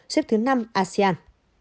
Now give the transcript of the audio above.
xếp thứ năm asean